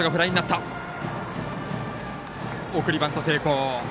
送りバント成功。